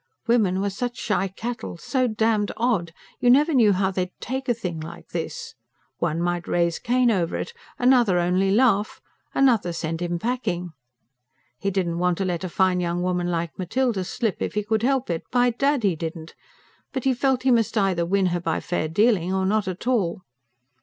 Women were such shy cattle, so damned odd! You never knew how they'd take a thing like this. One might raise Cain over it, another only laugh, another send him packing. He didn't want to let a fine young woman like Matilda slip if he could help it, by dad he didn't! But he felt he must either win her by fair dealing or not at all.